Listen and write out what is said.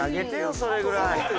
それぐらい。